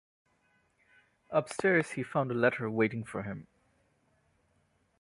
Up-stairs he found a letter waiting for him.